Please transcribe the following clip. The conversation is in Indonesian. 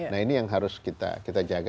nah ini yang harus kita jaga